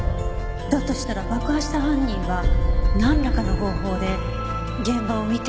だとしたら爆破した犯人はなんらかの方法で現場を見ていたのかもしれない。